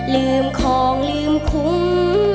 ลืมของลืมคุ้ม